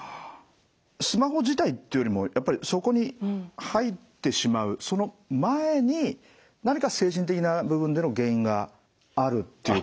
スマホ自体っていうよりもそこに入ってしまうその前に何か精神的な部分での原因があるっていう感じなんですかね？